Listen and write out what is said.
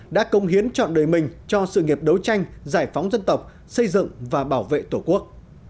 đã công hiến chọn đời mình cho sự nghiệp đấu tranh giải phóng dân tộc xây dựng và bảo vệ tổ quốc